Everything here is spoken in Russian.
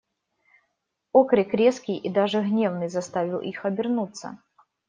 Окрик резкий и даже гневный заставил их обернуться.